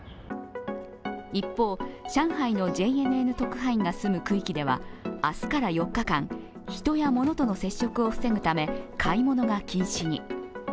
一方、上海のＪＮＮ特派員が住む区域では明日から４日間人や物との接触を防ぐため買い物が禁止に。